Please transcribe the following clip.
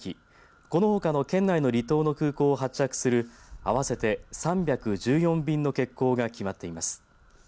このほかの県内の離島の空港を発着する合わせて３１４便の欠航が決まっています。